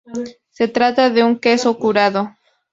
Se trata de un queso curado.